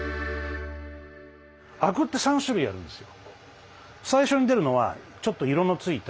アクって３種類あるんですよ。